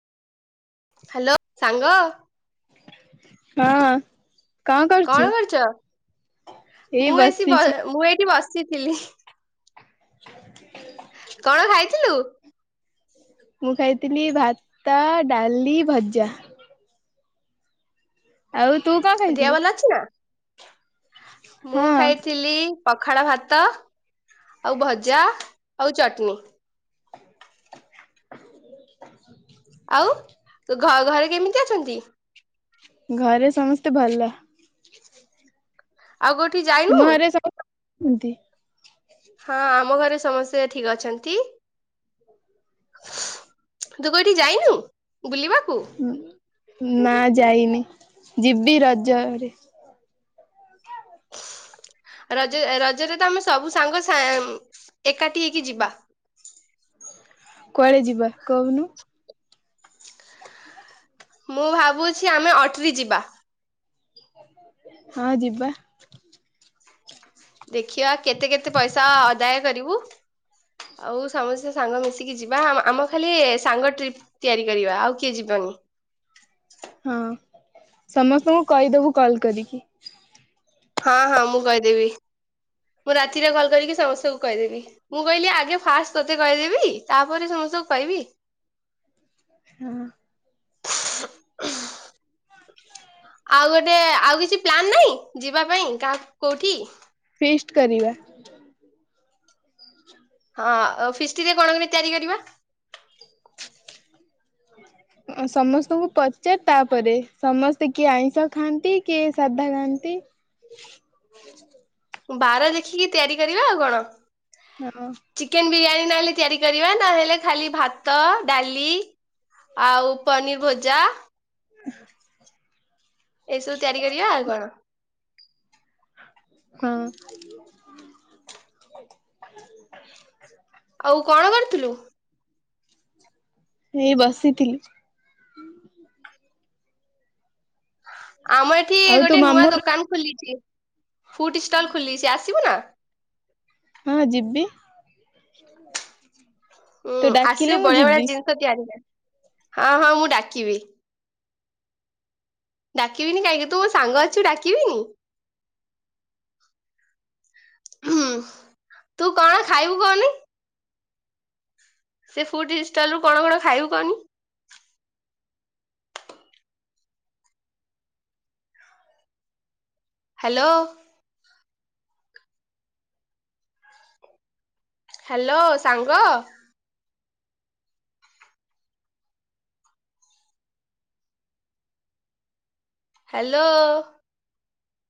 Hello ସାଙ୍ଗ। ହଁ। କଣ କରୁଛ? ଏଇ ମୁଁ ଏଠିଁ ବ ବସିଛି ମୁଁ ଏଇଠି ବସିଥିଲି। କଣ ଖାଇଥିଲୁ? ମୁଁ ଖାଇଥିଲି ଭାତ ଡାଲି ଭଜା। ଆଉ ତୁ କଣ ଖାଇଥିଲୁ? ଅଛିନା। ମୁଁ ହଁ ଖାଇଥିଲି ପଖାଳ ଭାତ। ଆଉ ଭଜା ଆଉ ଚଟଣି। ଆଉ ଘର ଘରେ କେମିତି ଅଛନ୍ତି? ଘରେ ସମସ୍ତେ ଭଲ। ଆଉ କୋଉଠିଁ କି ଯାଇ ଘରେ ସମସ୍ତେ ଭଲ ଅଛନ୍ତି? ହଁ ଆମ ଘରେ ସମସ୍ତେ ଠିଁକ ଅଛନ୍ତି। ତୁ କଉଠି ଯାଇନୁ ବୁଲିବାକୁ ନାଁ ଯାଇନି ଯିବି ରଜ ରେ ରଜ ରଜରେ ତ ଆମେ ସବୁ ସାଙ୍ଗ ସା ଏକାଠିଁ ହେଇକି ଯିବା। କୁଆଡେ ଯିବା କହୁନୁ? ମୁଁ ଭାବୁଛି ଆମେ ଅଟ୍ରେ ଯିବା। ହଁ ଯିବା। ଦେଖିବା କେତେ କେତେ ପଇସା ଆଦାୟ କରିବୁ? ଆଉ ସମସ୍ତେ ସାଙ୍ଗ ମିଶିକି ଯିବା। ଆମ ଆମର ଖାଲି ସାଙ୍ଗ ଟ୍ରିପ୍ ତିଆରି କରିବା ଆଉ କିଏ ଯିବାନି‌। ହଁ ସମସ୍ତଙ୍କୁ କହିଦେବୁ କଲ୍ କରିକି? ହଁ ହଁ ମୁଁ କହିଦେବି। ମୁଁ ରାତିରେ କଲ୍ କରିକି ସମସ୍ତଙ୍କୁ କହିଦେବି। ମୁଁ କହିଲି ଆଗେ ଫାଷ୍ଟ ତୋତେ କହିଦେବି ତାପରେ ସମସ୍ତଙ୍କୁ କହିବି। ଏ ହଁ। ଆଉ ଗୋଟେ ଆଉ କିଛି ପ୍ଲାନ ନାଇଁ ଯିବା ପାଇଁ କାହାକୁ କୋଉଠିଁ? ଫିଷ୍ଟି କରିବା। ହଁ ଆଉଁ ଫିଷ୍ଟି ରେ କଣ କେମିତି ତିଆରି କରିବା? ଅଁ ସମସ୍ତଙ୍କୁ ପଚାର ତାପରେ ସମସ୍ତେ କିଏ ଆଇଁଷ ଖାଆନ୍ତି କିଏ ସାଧା ଖାଆନ୍ତି। ବାର ଦେଖିକି ତିଆରି କରିବା ଆଉ କଣ? ହ୍ୟାଲୋ। ଚିକେନ ବିରିୟାନୀ ନହେଲେ ତିଆରି କରିବା ନହେଲେ ଖାଲିଭାତ ଡାଲି ଆଉ ପନିର୍ ଭଜା। ଏସବୁ ତିଆରି କରିବା। ଆଉ କଣ? ହଁ। ଆଉ କଣ କରୁଥୁଲୁ? ଏଇ ବସିଥିଲି। ଆମ ଏଠି ଆଉ ତୋ ଗୋଟେ ନୂଆ ମାମୁଁ ଘର ଦୋକାନ ଖୋଲିଛି ଫୁଡ୍ ଷ୍ଟଲ ଖୋଲିଛି ଆସିବୁ ନାଁ? ହଁ ଯିବି। ଉ ତୁ ଆସିବୁ ଡାକିଲେ ମୁଁ ବଢ଼ିଆ ବଢ଼ିଆ ଯିବି। ଜିନିଷ ତିଆରି ହୁଏ ହଁ ହଁ ମୁଁ ଡାକିବି। ଡାକିବିନି କାହିଁକି ତୁ ସାଙ୍ଗ ଅଛୁ ଡାକିବିନି। ହୁଁ ତୁ କଣ ଖାଇବୁ କହନି? ସେ ଫୁଡ୍ ଇଷ୍ଟଲ ରୁ କଣ କଣ ଖାଇବୁ କହନି? ହାଲୋ। ହାଲୋ ସାଙ୍ଗ। ହାଲୋ।